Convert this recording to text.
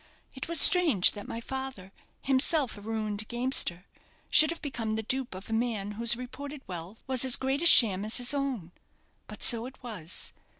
It was strange that my father, himself a ruined gamester, should have become the dupe of a man whose reported wealth was as great a sham as his own. But so it was.